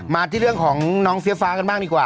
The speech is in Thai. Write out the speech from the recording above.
มาที่เรื่องของน้องเฟียฟ้ากันบ้างดีกว่า